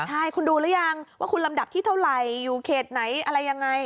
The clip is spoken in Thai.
ใช่คุณดูหรือยังว่าคุณลำดับที่เท่าไหร่อยู่เขตไหนอะไรยังไง